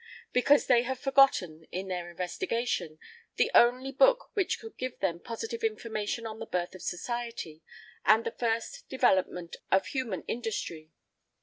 Because they have forgotten, in their investigation, the only book which could give them positive information on the birth of society, and the first development of human industry.